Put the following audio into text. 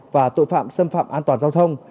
và tội phạm xâm phạm an toàn giao thông